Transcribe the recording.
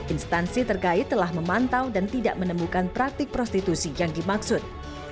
instansi terkait telah memantau dan tidak menemukan praktik prostitusi yang dimaksud